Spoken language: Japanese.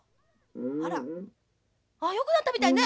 あらあよくなったみたいね！